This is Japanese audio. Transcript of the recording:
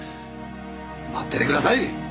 待っててください！